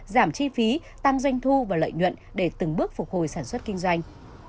giảm chi phí tăng doanh thu và lợi nhuận để từng bước phục hồi sản xuất kinh doanh